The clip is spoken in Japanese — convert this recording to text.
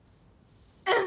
うん。